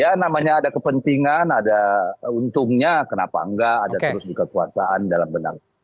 ya namanya ada kepentingan ada untungnya kenapa enggak ada terus di kekuasaan dalam benang